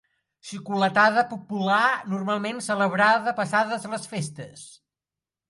Xocolatada popular, normalment celebrada passades les festes.